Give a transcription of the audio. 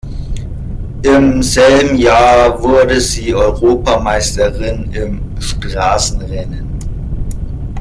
Im selben Jahr wurde sie Europameisterin im Straßenrennen.